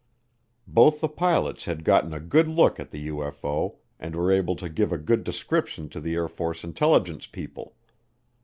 Both the pilots had gotten a good look at the UFO and were able to give a good description to the Air Force intelligence people.